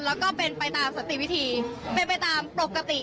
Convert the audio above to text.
แล้วก็เป็นไปตามสติวิธีเป็นไปตามปกติ